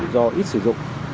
do ít sử dụng